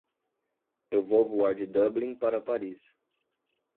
Eu vou voar de Dublin para Paris.